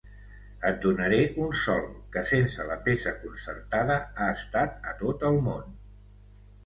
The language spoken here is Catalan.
Et donaré un sol, que sense la peça concertada ha estat a tot el món.